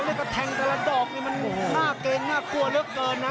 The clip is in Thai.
นี่ก็แทงแต่ละดอกนี่มันหน้าเกรงหน้ากลัวเลือกเกินนะ